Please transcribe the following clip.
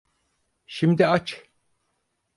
Şimdi aç.